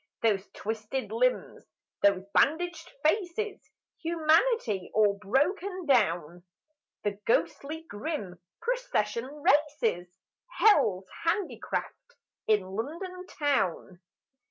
Those twisted limbs, those bandaged faces! Humanity all broken down! The ghostly grim procession races: Hell's handicraft in London Town.